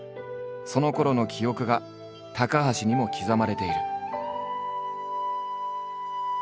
そのころの記憶が高橋にも刻まれている。